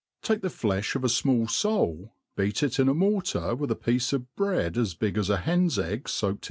Take the fleih c>f a fwiall fpal» boat it ^ a oDortar, with a piece pf bread &s big as an hen's egg fQaked.